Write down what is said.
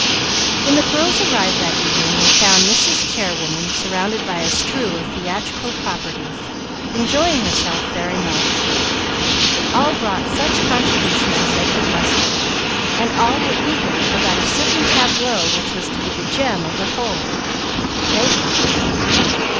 When the girls arrived, that evening, they found Mrs. Chairwoman surrounded by a strew of theatrical properties, enjoying herself very much. All brought such contributions as they could muster, and all were eager about a certain tableau which was to be the gem of the whole, they thought.